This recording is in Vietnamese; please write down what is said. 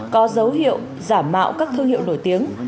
có dấu hiệu giả mạo các thương hiệu nổi tiếng